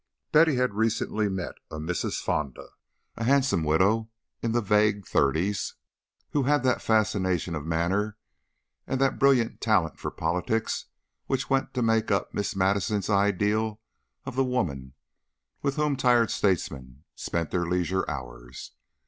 Betty had recently met a Mrs. Fonda, a handsome widow in the vague thirties, who had that fascination of manner and that brilliant talent for politics which went to make up Miss Madison's ideal of the women with whom tired statesmen spent their leisure hours.